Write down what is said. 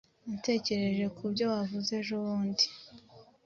Natekereje kubyo wavuze ejobundi.